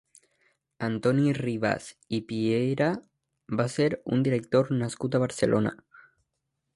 Antoni Ribas i Piera va ser un director nascut a Barcelona.